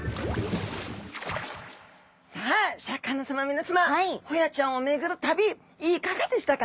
さあシャーク香音さま皆さまホヤちゃんを巡る旅いかがでしたか？